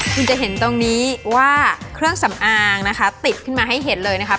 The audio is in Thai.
คุณจะเห็นตรงนี้ว่าเครื่องสำอางนะคะติดขึ้นมาให้เห็นเลยนะครับ